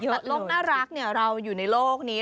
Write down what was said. แต่โลกน่ารักเราอยู่ในโลกนี้